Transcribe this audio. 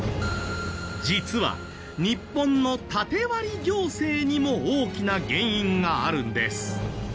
実は日本の縦割り行政にも大きな原因があるんです。